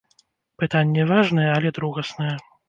Пытанне важнае, але другаснае.